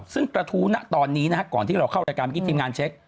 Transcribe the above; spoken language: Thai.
ซึ่งกระทู้นะตอนนี้นะฮะก่อนที่เราเข้ารายการเมื่อกี้ทีมงานเช็ค